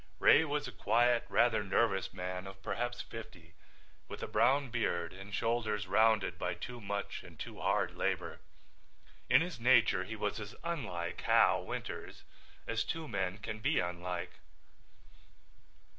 Ray was a quiet, rather nervous man of perhaps fifty with a brown beard and shoulders rounded by too much and too hard labor. In his nature he was as unlike Hal Winters as two men can be unlike.